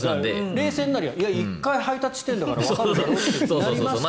冷静になれば１回配達してるんだからわかるだろってなりますけど。